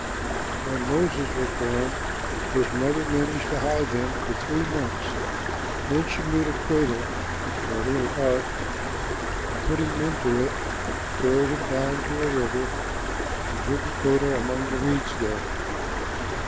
But when Moses was born, his mother managed to hide him for three months; then she made a cradle, or little ark, and putting him into it, carried him down to a river and hid the cradle among the reeds there.